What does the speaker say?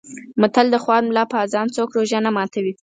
متل: د خوار ملا په اذان څوک روژه نه ماتوي.